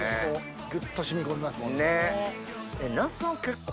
ぐっと染み込みますもんね。ねぇ。